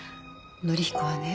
則彦はね